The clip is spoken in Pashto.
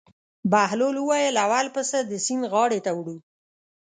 بهلول وویل: اول پسه د سیند غاړې ته وړو.